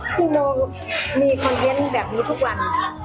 คุณมองมีคอนเจนแบบนี้ทุกวัน